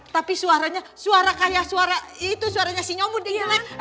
tapi suaranya suara kayak suara itu suaranya sinyomu dia gila